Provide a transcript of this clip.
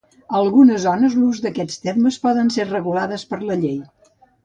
A algunes zones l'ús d'aquests termes poden ser regulades per la llei.